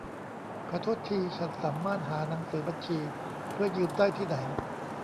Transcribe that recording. ขอโทษที ฉันสามารถหาหนังสือบัญชีเพื่อยืมได้ที่ไหน ?